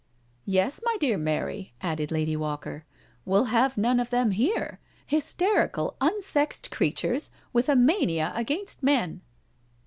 •• Yes, my dear Mary," added Lady Walker. •* We'll have none of them here — ^hysterical, unsexed creatures, with a mania against men."